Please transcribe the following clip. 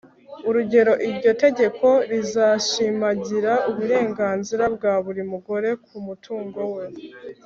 urugero iryo tegeko rizashimangira uburenganzira bwa buri mugore ku mutungo we